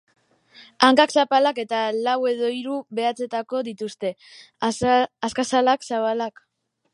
Hankak zapalak eta lau edo hiru behatzekoak dituzte, azkazal-zabalak.